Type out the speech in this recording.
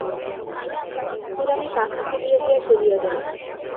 কুড়ানি পাখা ফেলিয়া দিয়া চলিয়া গেল।